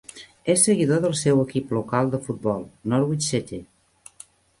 És seguidor del seu equip local de futbol, Norwich City.